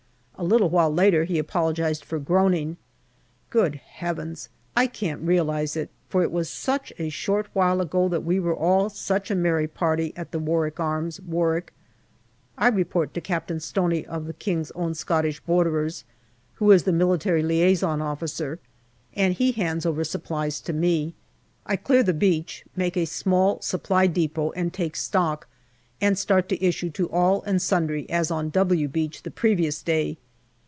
A little while later he apologized for groaning. Good heavens ! I can't realize it, for it was such a short while ago that we were all such a merry party at the " Warwick Arms," Warwick. I report to Captain Stoney, of the K.O.S.B.'s, who is the M.L.O., and he hands over supplies to me. I clear the beach, make a small Supply depot and take stock, and start to issue to all and sundry as on " W" Beach the previous day.